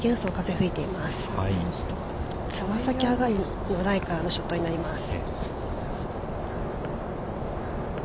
つま先上がりのライからのショットになります。